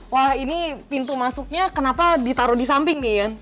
wah ini pintu masuknya kenapa ditaruh di samping nih ya